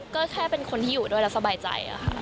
ก็แค่เป็นคนที่อยู่ด้วยแล้วสบายใจค่ะ